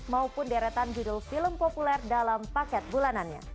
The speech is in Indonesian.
maupun deretan judul film populer dalam paket bulanannya